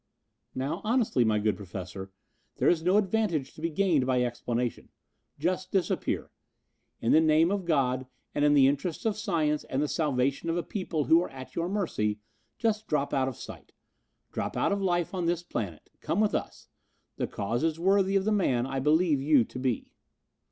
"Now, honestly, my good professor, there is no advantage to be gained by explanation. Just disappear. In the name of God and in the interests of science and the salvation of a people who are at your mercy, just drop out of sight. Drop out of life on this planet. Come with us. The cause is worthy of the man I believe you to be."